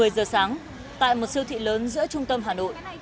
một mươi giờ sáng tại một siêu thị lớn giữa trung tâm hà nội